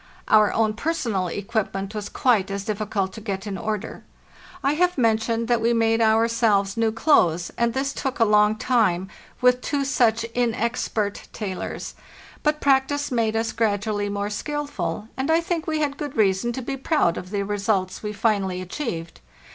Our own personal equipment was quite as difficult to get in order. I have mentioned that we made ourselves new clothes, and this took a long time, with two such inexpert tailors; but practice made us gradually more skilful, and I think we had good reason to be proud of the results we finally achieved.